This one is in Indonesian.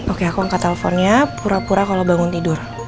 oke aku angkat teleponnya pura pura kalau bangun tidur